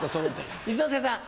一之輔さん。